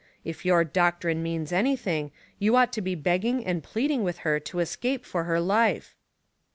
If your doctrine means anything, you ought to be begging and pleading with her to escape for her life."